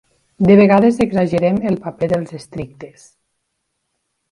De vegades exagerem el paper dels estrictes.